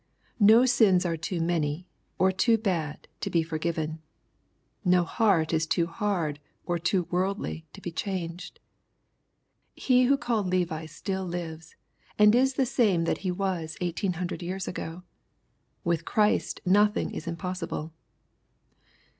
No sins are too many, or too bad, to be forgiven. No heart is too hard or too worldly to be changed. He who called Levi still lives, and is the same that He was 1800 years ago. With Christ nothing is impossible.